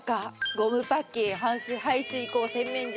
ゴムパッキン排水口洗面所。